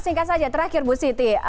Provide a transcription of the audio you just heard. singkat saja terakhir bu siti